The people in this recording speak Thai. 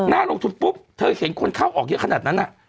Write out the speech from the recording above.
ลงทุนปุ๊บเธอเห็นคนเข้าออกเยอะขนาดนั้น